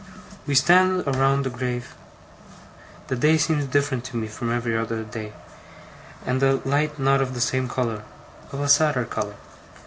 We stand around the grave. The day seems different to me from every other day, and the light not of the same colour of a sadder colour.